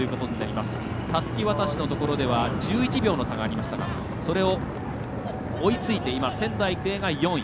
たすき渡しのところでは１１秒の差がありましたがそれを追いついて仙台育英が４位。